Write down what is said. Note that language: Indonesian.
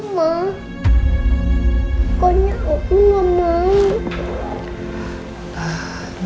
pokoknya aku gak mau